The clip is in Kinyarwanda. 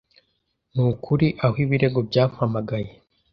Nukuri aho ibirego byampamagaye